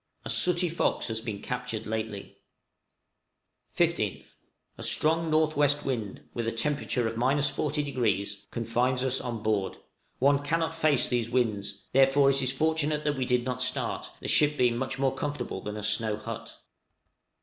A sooty fox has been captured lately. 15th. A strong N.W. wind, with a temperature of 40°, confines us on board. One cannot face these winds, therefore it is fortunate that we did not start, the ship being much more comfortable than a snow hut.